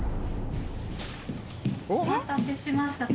お待たせしました。